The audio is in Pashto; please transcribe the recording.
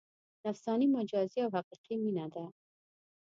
نفساني، مجازي او حقیقي مینه ده.